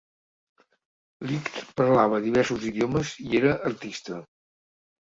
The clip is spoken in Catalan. Light parlava diversos idiomes i era artista.